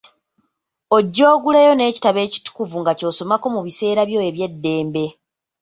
Ojje oguleyo n’ekitabo ekitukuvu nga ky’osomako mu biseera byo eby’eddembe.